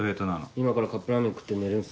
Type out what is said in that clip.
今からカップラーメン食って寝るんす。